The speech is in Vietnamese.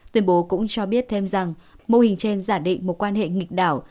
tuyên bố cũng cho biết thêm rằng mô hình trên giả định một quan hệ nghịch đảo